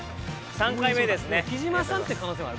３回目ですねさあ